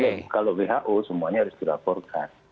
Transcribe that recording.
kalau who semuanya harus dilaporkan